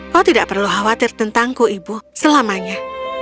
kau tidak perlu khawatir tentangku ibu selamanya